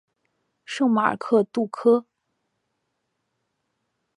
圣马尔克杜科。